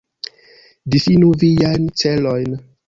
Difinu viajn celojn.